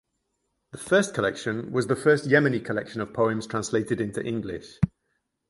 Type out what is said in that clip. The first collection was the first Yemeni collection of poems translated into English.